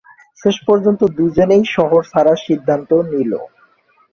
শেষ পর্যন্ত দুজনেই শহর ছাড়ার সিদ্ধান্ত নিল।